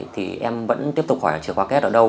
thì em vẫn tiếp tục chìa khóa két ở đâu